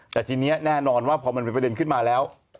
แต่ทีนี้แน่นอนว่าพอมันเป็นประเด็นขึ้นมาแล้ว